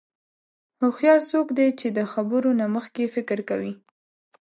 هوښیار څوک دی چې د خبرو نه مخکې فکر کوي.